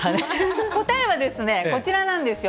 答えはですね、こちらなんですよ。